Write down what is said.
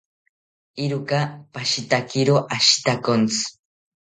Eeroka pashitakiro ashitakontzi